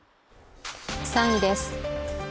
３位です。